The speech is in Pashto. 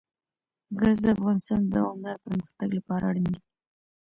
ګاز د افغانستان د دوامداره پرمختګ لپاره اړین دي.